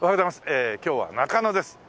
ええ今日は中野です。